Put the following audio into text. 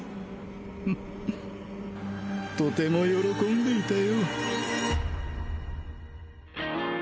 フッとても喜んでいたよ。